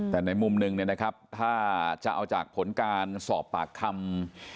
แต่ในมุมหนึ่งเนี่ยนะครับถ้าจะเอาจากผลการสอบปากคำ